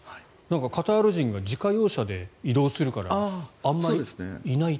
カタール人が自家用車で移動するからあまりいない。